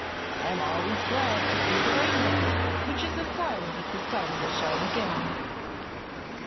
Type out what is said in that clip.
I am always glad to see the rainbow, which is a sign that the sun will shine again."